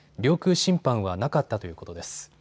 侵犯はなかったということです。